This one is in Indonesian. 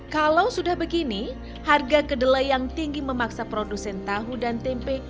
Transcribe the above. kalau sudah begini harga kedelai yang tinggi memaksa produsen tahu dan tempe